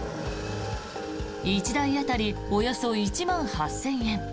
１台当たりおよそ１万８０００円。